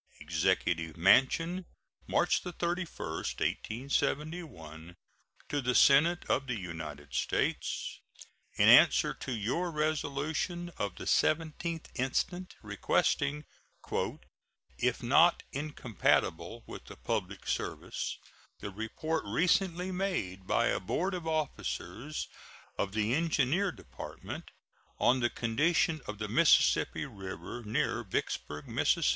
EXECUTIVE MANSION, March 31, 1871. To the Senate of the United States: In answer to your resolution of the 17th instant, requesting, "if not incompatible with the public service, the report recently made by a board of officers of the Engineer Department on the condition of the Mississippi River near Vicksburg, Miss.